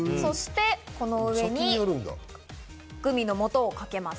この上にグミのもとをかけます。